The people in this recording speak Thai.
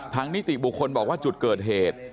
นิติบุคคลบอกว่าจุดเกิดเหตุ